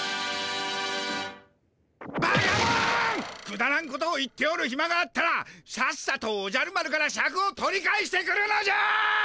くだらんことを言っておるひまがあったらさっさとおじゃる丸からシャクを取り返してくるのじゃ！